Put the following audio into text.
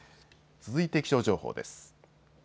続いて気象情報です。